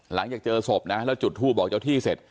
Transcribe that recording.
หลังจากเจอศพนะแล้วจุดทูปบอกเจ้าที่เสร็จ